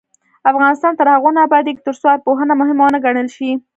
افغانستان تر هغو نه ابادیږي، ترڅو ارواپوهنه مهمه ونه ګڼل شي.